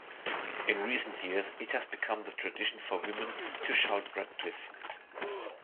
In recent years it has become the tradition for women to shout Radcliffe!